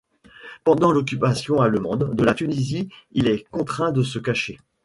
Pendant l’occupation allemande de la Tunisie il est contraint de se cacher.